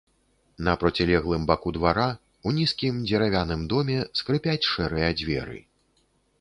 На процілеглым баку двара, у нізкім дзеравяным доме скрыпяць шэрыя дзверы.